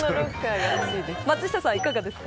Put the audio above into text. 松下さん、いかがですか。